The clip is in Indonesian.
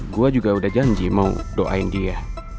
gue juga udah janji mau doain dia